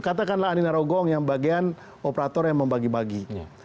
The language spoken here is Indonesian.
katakanlah andina rogong yang bagian operator yang membagi bagi